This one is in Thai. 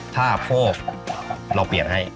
ถ้าโพกเราเปลี่ยนให้